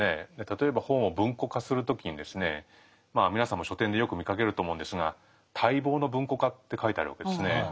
例えば本を文庫化する時に皆さんも書店でよく見かけると思うんですが「待望の文庫化」って書いてあるわけですね。